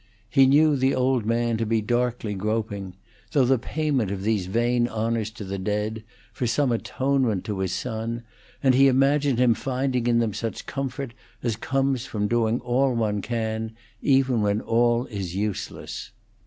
He knew the old man to be darkly groping, through the payment of these vain honors to the dead, for some atonement to his son, and he imagined him finding in them such comfort as comes from doing all one can, even when all is useless.